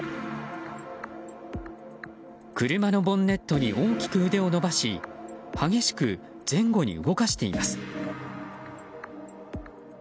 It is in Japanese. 車のボンネットに大きく腕を伸ばし激しく前後に動かしています。